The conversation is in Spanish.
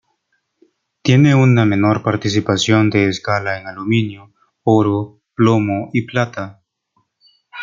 Tiene una menor participación de escala en aluminio, oro, plomo y plata.